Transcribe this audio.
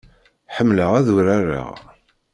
Ḥemmleɣ ad urareɣ.